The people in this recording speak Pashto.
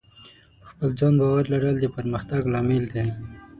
په خپل ځان باور لرل د پرمختګ لامل دی.